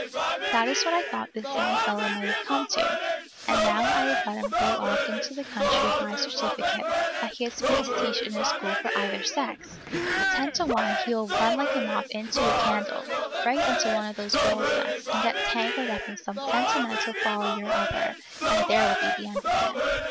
That is what I thought this young fellow might have come to; and now I have let him go off into the country with my certificate, that he is fit to teach in a school for either sex! Ten to one he will run like a moth into a candle, right into one of those girls' nests, and get tangled up in some sentimental folly or other, and there will be the end of him.